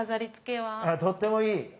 あっとってもいい。